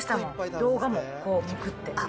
動画も、こう、めくって。